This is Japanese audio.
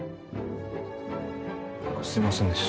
すいませんでした。